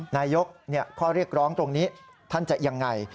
นายกข้อเรียกร้องตรงนี้ท่านจะยังไง